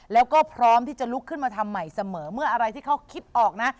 แล้วก็พร้อมที่จะลุกขึ้นมาทำใหม่เสมอเมื่ออะไรที่เขาคิดออกนะ